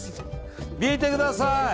見てください。